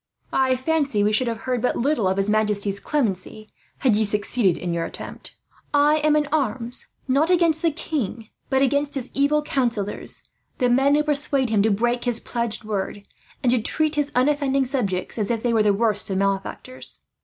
I fancy we should have heard but little of his majesty's clemency, had you succeeded in your attempt. I am in arms, not against the king, but against his evil counsellors; the men who persuade him to break his pledged word, and to treat his unoffending subjects as if they were the worst of malefactors.